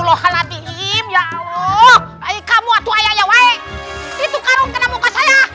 allah kamu atau ayahnya baik itu karung kena muka saya